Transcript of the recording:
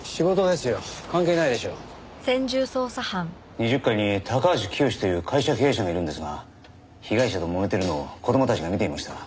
２０階に高橋清という会社経営者がいるんですが被害者ともめてるのを子供たちが見ていました。